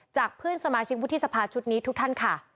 เพื่อนสมาชิกวุฒิสภาชุดนี้ทุกท่านค่ะ